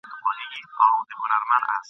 په لوی لاس چي څوک غنم کري نادان دئ !.